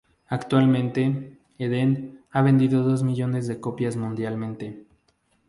Actualmente, "Eden" ha vendido dos millones de copias mundialmente.